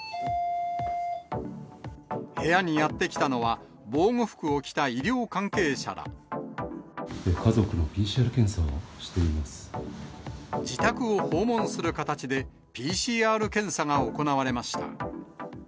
部屋にやって来たのは、家族のＰＣＲ検査をしていま自宅を訪問する形で、ＰＣＲ検査が行われました。